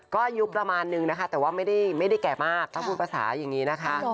ก็อายุประมาณนึงนะคะแต่ว่าไม่ได้แก่มากถ้าพูดภาษาอย่างนี้นะคะ